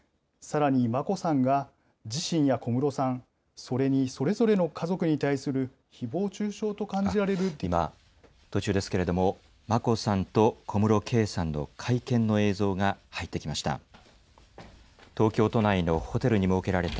さらに眞子さんが、自身や小室さん、それにそれぞれの家族に対す今、途中ですけれども、眞子さんと小室圭さんの会見の映像が入ってきました。